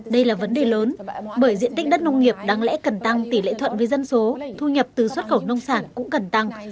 đây là vấn đề lớn bởi diện tích đất nông nghiệp đang lẽ cần tăng tỷ lệ thuận với dân số thu nhập từ xuất khẩu nông sản cũng cần tăng